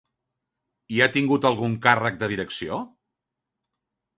I ha tingut algun càrrec de direcció?